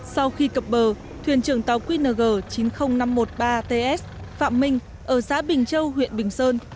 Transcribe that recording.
sau khi cập bờ thuyền trưởng tàu quy ng chín mươi nghìn năm trăm một mươi ba ts phạm minh ở xã bình châu huyện bình sơn